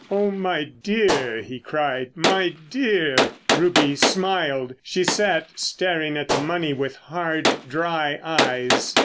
"Oh, my dear!" he cried, "my dear!" Ruby smiled. She sat staring at the money with hard, dry eyes.